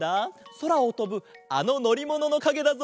そらをとぶあののりもののかげだぞ。